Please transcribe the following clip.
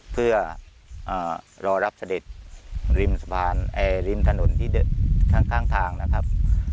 เพื่อรอรับเสด็จริมสะพานริมถนนที่ข้างทางนะครับ